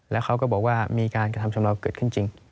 แล้วเขาก็บอกว่ามีการกระทำชำเลาเกิดขึ้นจริง